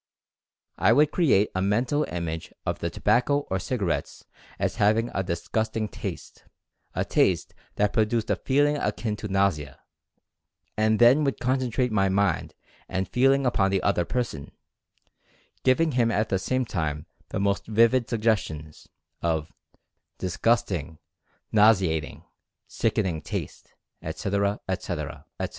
I would create a mental image of the to bacco or cigarettes as having a disgusting taste, — a taste that produced a feeling akin to nausea — and then would concentrate my mind and feeling upon the other person, giving him at the same time the most vivid suggestions of "disgusting, nauseating, sickening taste," etc., etc., etc.